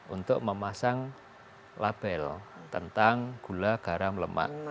untuk memasang label tentang gula garam lemak